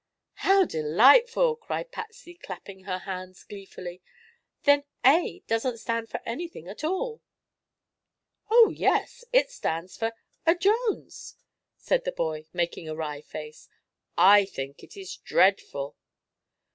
'" "How delightful?" cried Patsy, clapping her hands gleefully. "Then 'A' doesn't stand for anything at all?" "Oh, yes; it stands for a Jones," said the boy, making a wry face. "I think it is dreadful."